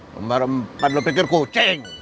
kembar empat lo pikir kucing